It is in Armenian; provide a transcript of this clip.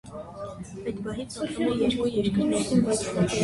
Այդ պահից ապրում է երկու երկրում։